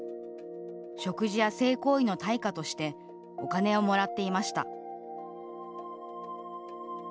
食事や性行為の対価としてお金をもらっていました。